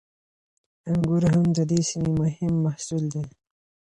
انګور هم د دې سیمې مهم محصول دی.